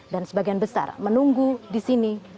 dan sebagian besar menunggu di sini